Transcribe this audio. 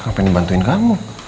ngapain dibantuin kamu